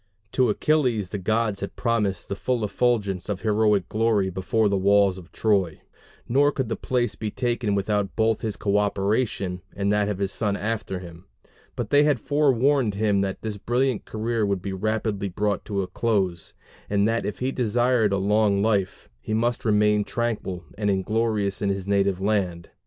To Achilles the gods had promised the full effulgence of heroic glory before the walls of Troy; nor could the place be taken without both his coöperation and that of his son after him. But they had forewarned him that this brilliant career would be rapidly brought to a close; and that if he desired a long life, he must remain tranquil and inglorious in his native land.